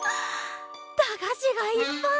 駄菓子がいっぱい！